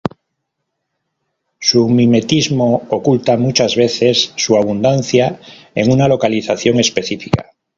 Su mimetismo oculta muchas veces su abundancia en una localización específica.